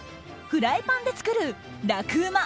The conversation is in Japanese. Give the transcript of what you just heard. フライパンで作る楽ウマ！